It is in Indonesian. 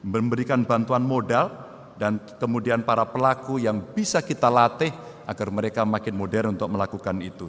memberikan bantuan modal dan kemudian para pelaku yang bisa kita latih agar mereka makin modern untuk melakukan itu